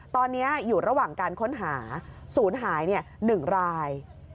ตอนนี้อยู่ระหว่างการค้นหาศูนย์หาย๑ราย